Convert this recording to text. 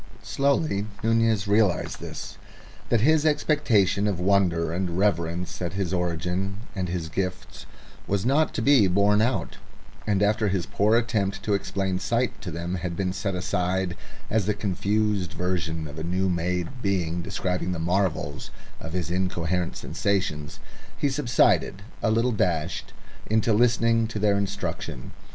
Slowly Nunez realised this; that his expectation of wonder and reverence at his origin and his gifts was not to be borne out; and after his poor attempt to explain sight to them had been set aside as the confused version of a new made being describing the marvels of his incoherent sensations, he subsided, a little dashed, into listening to their instruction.